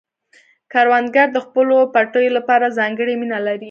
کروندګر د خپلو پټیو لپاره ځانګړې مینه لري